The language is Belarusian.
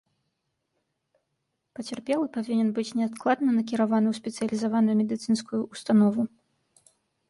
Пацярпелы павінен быць неадкладна накіраваны ў спецыялізаваную медыцынскую ўстанову.